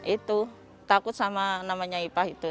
itu takut sama namanya ipah itu